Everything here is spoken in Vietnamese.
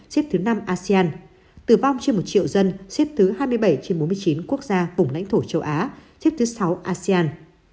xếp thứ năm asean tử vong trên một triệu dân xếp thứ hai mươi bảy trên bốn mươi chín quốc gia vùng lãnh thổ châu á xếp thứ sáu asean